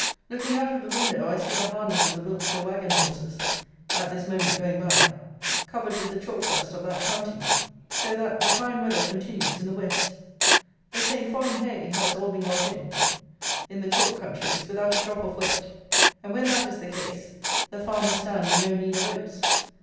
Looking out of the window, I see the harness of the Wiltshire wagon horses (at this moment going by) covered with the chalk dust of that county; so that the fine weather continues in the West. The saint foin hay has all been got in, in the chalk countries, without a drop of wet; and when that is the case, the farmers stand in no need of oats.